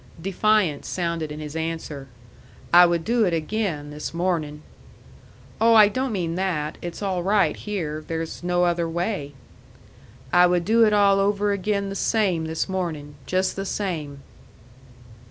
Defiance sounded in his answer. "I would do it again this morning." "Oh, I don't mean that. It's all right here. There's no other way." "I would do it all over again the same this morning. Just the same."